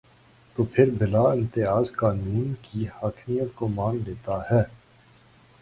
تو پھر بلا امتیاز قانون کی حاکمیت کو مان لیتا ہے۔